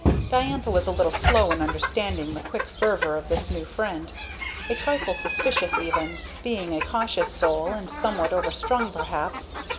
Diantha was a little slow in understanding the quick fervor of this new friend; a trifle suspicious, even; being a cautious soul, and somewhat overstrung, perhaps.